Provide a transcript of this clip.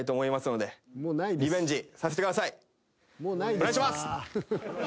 お願いします。